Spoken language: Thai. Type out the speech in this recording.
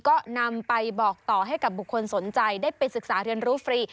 ก็นำไปบอกต่อให้กับบุคคลสนใจได้ไปศึกษาเรียนรู้ฟรี